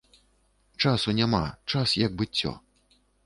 Часу няма, час як быццё.